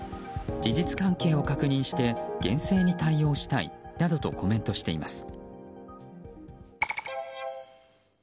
事実関係を確認して厳正に対応したいなどとコメントしています。